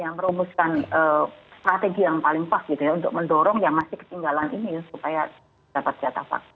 yang merumuskan strategi yang paling pas gitu ya untuk mendorong yang masih ketinggalan ini supaya dapat catatan